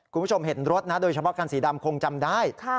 คุณผู้ชมเห็นรถนะโดยเฉพาะคันสีดำคงจำได้